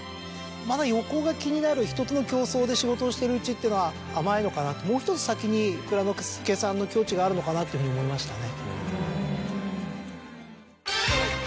まだ横が気になる人との競争で仕事をしてるうちっていうのは甘いのかなともう１つ先に蔵之介さんの境地があるのかなというふうに思いましたね。